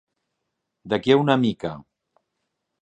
D'aquí a una mica.